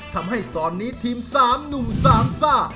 ทำให้ตอนนี้ทีม๓หนุ่มสามซ่า